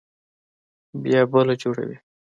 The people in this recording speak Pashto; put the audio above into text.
بيا بله جوړوي.